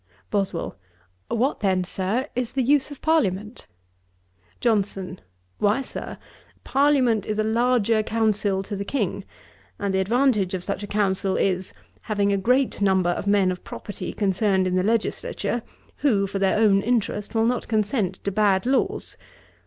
BOSWELL. 'What then, Sir, is the use of Parliament?' JOHNSON. 'Why, Sir, Parliament is a larger council to the King; and the advantage of such a council is, having a great number of men of property concerned in the legislature, who, for their own interest, will not consent to bad laws.